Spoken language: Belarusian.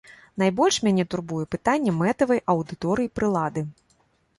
Найбольш мяне турбуе пытанне мэтавай аўдыторыі прылады.